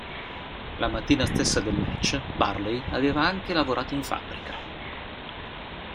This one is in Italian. La mattina stessa del match Burley aveva anche lavorato in fabbrica.